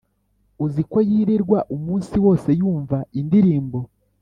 uziko yirirwa umunsi wose yumva indirimbo